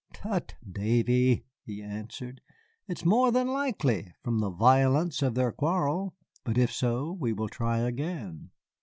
"Tut, Davy," he answered, "it's more than likely, from the violence of their quarrel. But if so, we will try again."